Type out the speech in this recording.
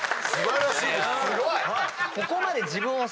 すごい！